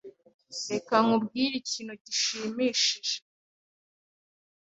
Reka nkubwire ikintu gishimishije.